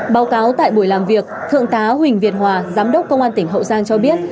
báo cáo tại buổi làm việc thượng tá huỳnh việt hòa giám đốc công an tỉnh hậu giang cho biết